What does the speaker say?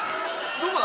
どこだ？